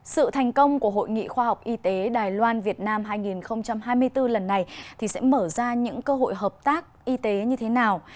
sự thành công của hội nghị khoa học y tế đài loan việt nam hai nghìn hai mươi bốn lần này sẽ mở ra những cơ hội hợp tác y tế như thế nào